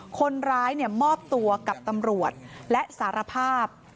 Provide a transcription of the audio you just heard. คนร้ายมอบตัวกับตำรวจและสารภาพ